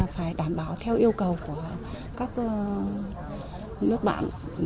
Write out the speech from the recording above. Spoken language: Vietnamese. phải đảm bảo theo yêu cầu của các nước bạn